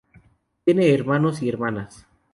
Tiene hermanos y hermanas.